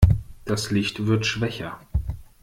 Das Licht wird schwächer.